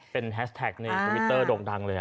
เป็นแฮชแท็กในทวิตเตอร์โด่งดังเลย